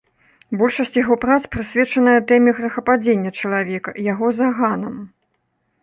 Большасць яго прац прысвечаная тэме грэхападзення чалавека, яго заганам.